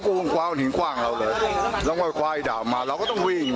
เขากลัวหิงกว้างเราเลยแล้วก็ควายดาวน์มาเราก็ต้องวิ่ง